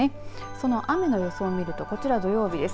その雨の予想を見るとこちら土曜日です。